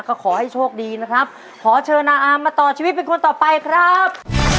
ก็ขอให้โชคดีนะครับขอเชิญนาอามมาต่อชีวิตเป็นคนต่อไปครับ